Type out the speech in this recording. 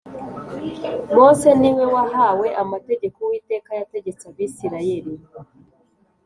Mose niwe wahawe amategeko Uwiteka yategetse Abisirayeli